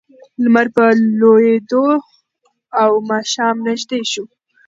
لمر په لوېدو و او ماښام نږدې شو.